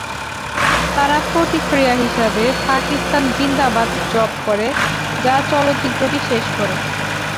তারা প্রতিক্রিয়া হিসাবে "পাকিস্তান জিন্দাবাদ" জপ করে, যা চলচ্চিত্রটি শেষ করে।